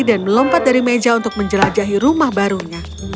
dan melompat dari meja untuk menjelajahi rumah barunya